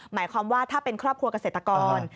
หมายความว่าถ้าเป็นครอบครัวเกษตรกร